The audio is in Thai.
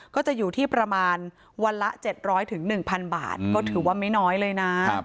ก็จะอยู่ที่ประมาณวันละ๗๐๐๑๐๐บาทก็ถือว่าไม่น้อยเลยนะ